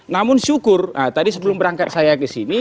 namun syukur tadi sebelum berangkat saya ke sini